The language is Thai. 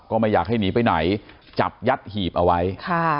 ก็ไม่อยากให้หนีไปไหนจับยัดหีบเอาไว้